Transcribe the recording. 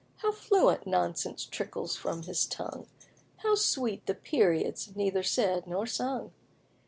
How fluent nonsense trickles from his tongue! How sweet the periods, neither said nor sung!